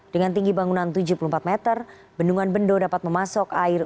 dengan tinggi bangunan tujuh puluh empat meter bendungan bendo dapat memasok air